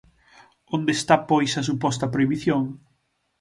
Onde está pois a suposta prohibición?